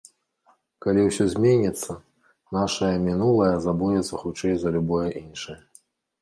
Калі ўсё зменіцца, нашае мінулае забудзецца хутчэй за любое іншае.